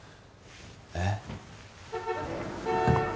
えっ？